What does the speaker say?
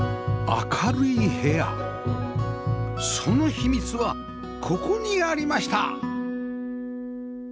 明るい部屋その秘密はここにありました！